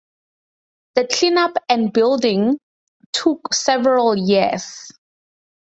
The cleanup and rebuilding took several years.